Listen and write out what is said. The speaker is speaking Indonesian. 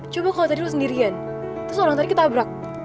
coba kau tadi lo sendirian terus orang tadi ketabrak